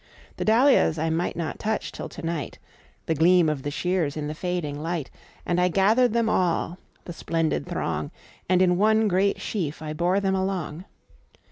The dahlias I might not touch till to night!A gleam of the shears in the fading light, And I gathered them all,—the splendid throng, And in one great sheaf I bore them along..